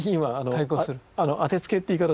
「当てつけ」って言い方